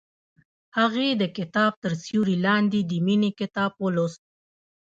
هغې د کتاب تر سیوري لاندې د مینې کتاب ولوست.